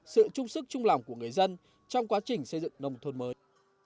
sự chung sức chung lòng của người dân trong quá trình xây dựng nông thôn mới